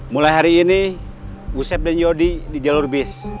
mulai hari ini usep dan yodi di jalur bis